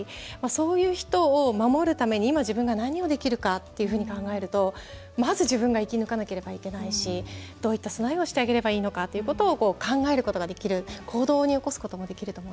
そういう人を守るために今、自分に何ができるかを考えると、まず、自分が生き抜かなければいけないしどういった備えをしてあげればいいのかというのを考えることができる行動に移すことができる。